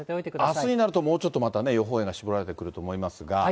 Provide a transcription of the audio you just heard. あすになると、もうちょっとまたね、予報円が絞られてくると思いますが。